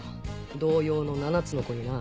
童謡の『七つの子』にな。